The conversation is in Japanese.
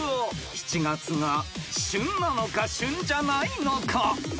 ［７月が旬なのか旬じゃないのか？］